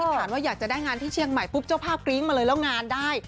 ฐานว่าอยากจะได้งานที่เชียงใหม่ปุ๊บเจ้าภาพกริ้งมาเลยแล้วงานได้